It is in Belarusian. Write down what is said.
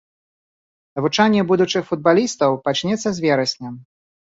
Навучанне будучых футбалістаў пачнецца з верасня.